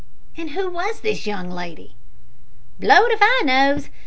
"And who was this young lady?" "Blow'd if I knows.